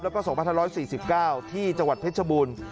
แล้วก็๒๕๔๙ที่จังหวัดเพชรบูรณ์